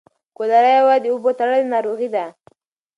کولرا یوه د اوبو تړلۍ ناروغي ده.